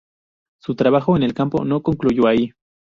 Su trabajo en el campo no concluyó ahí.